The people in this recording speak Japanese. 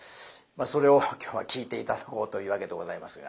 それを今日は聴いて頂こうというわけでございますが。